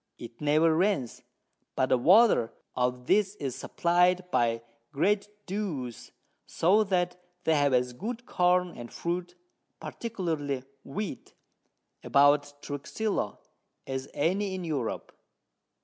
it never rains, but the Want of this is supply'd by great Dews, so that they have as good Corn and Fruit, particularly Wheat, about Truxillo, as any in Europe.